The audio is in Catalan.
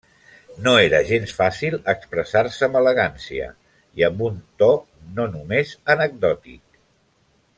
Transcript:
No era gens fàcil expressar-se amb elegància i amb un to no només anecdòtic.